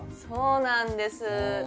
そうなんです。